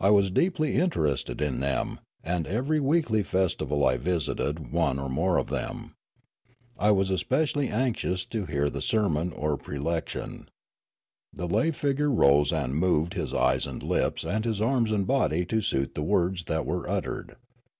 I was deeply inter ested in them, and ever} weekh' festival I visited one or more of them. I was especially anxious to hear the 368 Riallaro sermon or prelection. The lay figure rose and moved his eyes and lips and his arms and body to suit the words that were uttered.